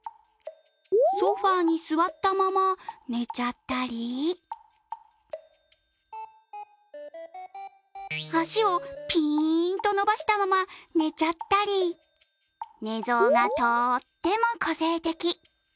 ソファーに座ったまま寝ちゃったり足をぴーんと伸ばしたまま寝ちゃったり寝相がとっても個性的。